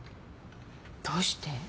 どうして？